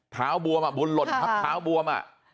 เท้าบวมอ่ะบุญหล่นเท้าบวมอ่ะ